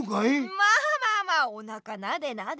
まあまあまあおなかなでなで。